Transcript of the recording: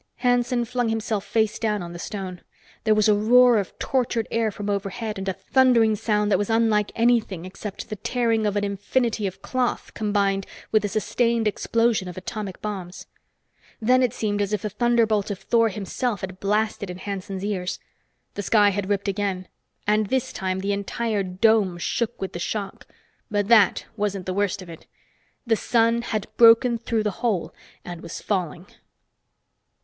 Hanson flung himself face down on the stone. There was a roar of tortured air from overhead and a thundering sound that was unlike anything except the tearing of an infinity of cloth combined with a sustained explosion of atomic bombs. Then it seemed as if the thunderbolt of Thor himself had blasted in Hanson's ears. The sky had ripped again, and this time the entire dome shook with the shock. But that wasn't the worst of it. The sun had broken through the hole and was falling!